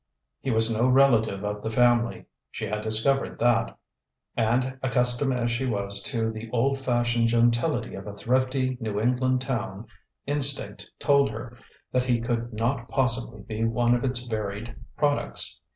He was no relative of the family, she had discovered that; and, accustomed as she was to the old fashioned gentility of a thrifty New England town, instinct told her that he could not possibly be one of its varied products.